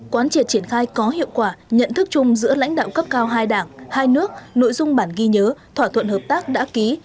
quán triệt triển khai có hiệu quả nhận thức chung giữa lãnh đạo cấp cao hai đảng hai nước nội dung bản ghi nhớ thỏa thuận hợp tác đã ký